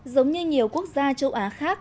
giống như nhiều quốc gia châu á khác